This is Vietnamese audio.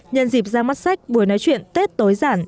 nhân dịp ra mắt sách buổi nói chuyện tết tối giản giữ nét xưa